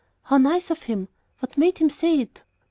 "How nice of him! What made him say it?"